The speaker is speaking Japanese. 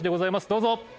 どうぞ。